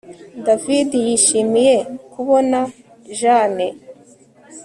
David yishimiye kubona Jane